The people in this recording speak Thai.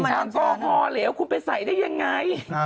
แอลกอฮอล์เหลวจะไปใส่ได้อย่างไร